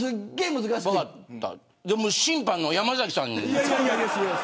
審判の山崎さんに。